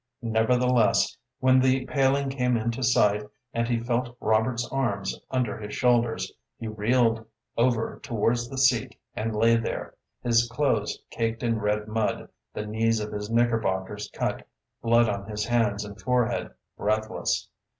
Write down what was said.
Nevertheless, when the paling came into sight and he felt Robert's arms under his shoulders, he reeled over towards the seat and lay there, his clothes caked in red mud, the knees of his knickerbockers cut, blood on his hands and forehead, breathless.